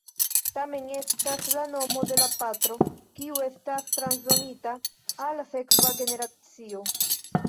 Tamen estas la nomo de la patro kiu estas transdonita al la sekva generacio.